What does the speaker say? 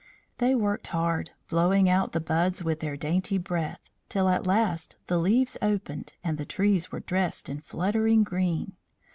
They worked hard, blowing out the buds with their dainty breath, till at last the leaves opened and the trees were dressed in fluttering green.